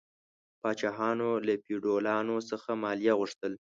پاچاهانو له فیوډالانو څخه مالیه غوښتل.